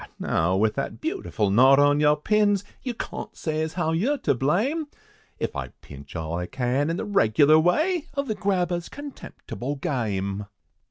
now, with that beautiful knot on your pins, You cawn't say as how yer to blame, If I pinch all I can in the regular way, Of the grabber's contemptible game!"